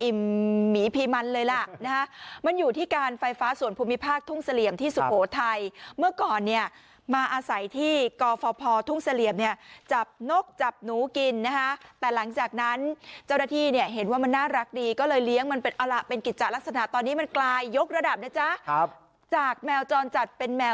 หมีพีมันเลยล่ะนะฮะมันอยู่ที่การไฟฟ้าส่วนภูมิภาคทุ่งเสลี่ยมที่สุโขทัยเมื่อก่อนเนี่ยมาอาศัยที่กฟพทุ่งเสลี่ยมเนี่ยจับนกจับหนูกินนะฮะแต่หลังจากนั้นเจ้าหน้าที่เนี่ยเห็นว่ามันน่ารักดีก็เลยเลี้ยงมันเป็นเอาล่ะเป็นกิจจัดลักษณะตอนนี้มันกลายยกระดับนะจ๊ะครับจากแมวจรจัดเป็นแมว